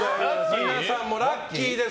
皆さんもラッキーです。